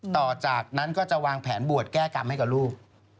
ต่อจากนั้นก็จะวางแผนบวชแก้กรรมให้กับลูก